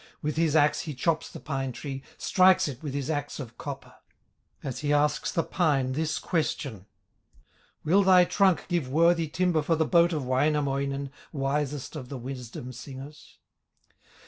With his axe he chops the pine tree, Strikes it with his axe of copper, As he asks the pine this question: "Will thy trunk give worthy timber For the boat of Wainamoinen, Wisest of the wisdom singers?"